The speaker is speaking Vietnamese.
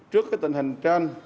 trước cái tình hình trên